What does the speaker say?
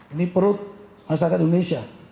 ini perut masyarakat indonesia